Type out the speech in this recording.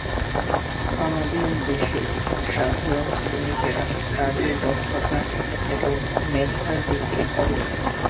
আমাদের দেশের সাধারণ শ্রমিকেরা কাজে দক্ষতা এবং মেধার দিক থেকে অতুলনীয়।